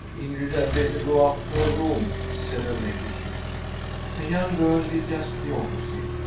* Ingrid had better go up to her room,' said her ladyship. The young girl did just the opposite.